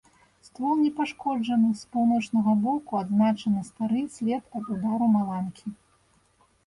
Ствол не пашкоджаны, з паўночнага боку адзначаны стары след ад удару маланкі.